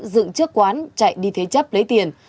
dựng trước quán chạy đi thế chấp lấy tiền